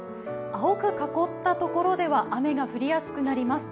青く囲ったところでは雨が降りやすくなります。